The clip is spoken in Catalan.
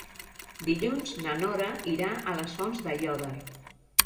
Dilluns na Nora irà a les Fonts d'Aiòder.